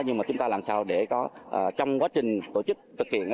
nhưng mà chúng ta làm sao để có trong quá trình tổ chức thực hiện